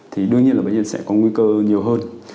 thì đương nhiên là bệnh nhân sẽ có nguy cơ nhiều hơn